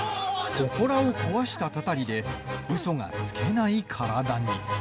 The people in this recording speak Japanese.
ほこらを壊したたたりでうそがつけない体に。